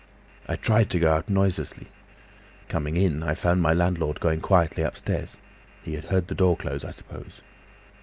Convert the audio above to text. I tried to go out noiselessly. Coming in, I found my landlord going quietly upstairs; he had heard the door close, I suppose.